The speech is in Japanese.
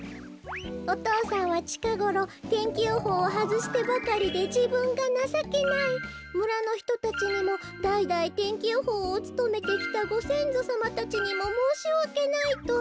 お父さんは「ちかごろ天気予報をはずしてばかりでじぶんがなさけないむらのひとたちにもだいだい天気予報をつとめてきたごせんぞさまたちにももうしわけない」と。